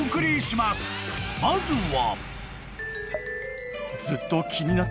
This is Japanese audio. ［まずは］